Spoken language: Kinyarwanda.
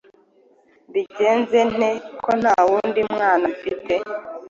mbigenze nte, ko nta wundi mwana mfite;